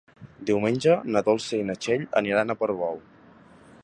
Diumenge na Dolça i na Txell aniran a Portbou.